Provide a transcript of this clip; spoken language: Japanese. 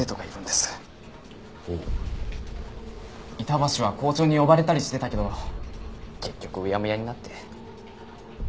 板橋は校長に呼ばれたりしてたけど結局うやむやになって。